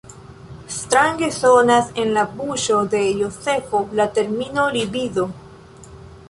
Strange sonas en la buŝo de Jozefo la termino libido.